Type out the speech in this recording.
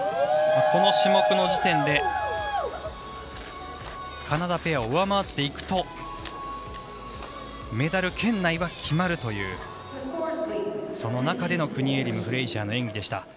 この種目の時点でカナダペアを上回っていくとメダル圏内は決まるというその中でのクニエリムフレイジャーの演技でした。